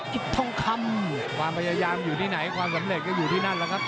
กิจทองคำความพยายามอยู่ที่ไหนความสำเร็จก็อยู่ที่นั่นแหละครับ